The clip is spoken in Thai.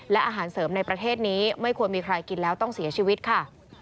และอาหารเสริมในประเทศนี้ไม่ควรมีใครกินแล้วต้องเสียชีวิตค่ะ